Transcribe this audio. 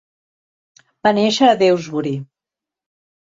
Va néixer a Dewsbury.